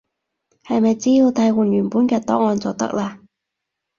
係咪只要替換原本嘅檔案就得喇？